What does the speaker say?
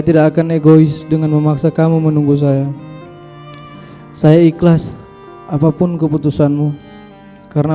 tidak akan egois dengan memaksa kamu menunggu saya saya ikhlas apapun keputusanmu karena